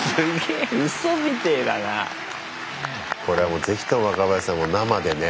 これは是非とも若林さんも生でね。